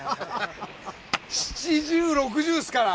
７０６０ですから。